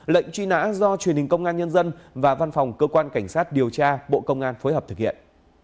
lệnh truy nã do truyền hình công an nhân dân và văn phòng cơ quan cảnh sát điều tra bộ công an phối hợp thực hiện